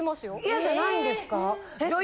嫌じゃないんですか？